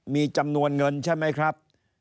มีจำนวนเงินใช่ไหมครับ